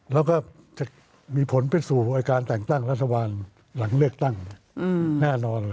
แล้วก็จะมีผลไปสู่การแต่งตั้งรัฐบาลหลังเลือกตั้งแน่นอน